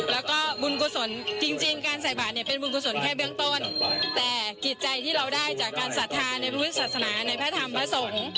แล้วก็บุญกุศลจริงจริงการใส่บาทเนี่ยเป็นบุญกุศลแค่เบื้องต้นแต่จิตใจที่เราได้จากการศรัทธาในพระพุทธศาสนาในพระธรรมพระสงฆ์